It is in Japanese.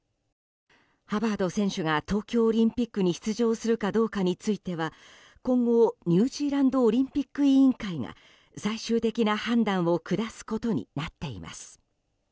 ハバード選手が東京オリンピックに出場するかどうかについては今後、ニュージーランドオリンピック委員会が最終的な判断を下すことになっています。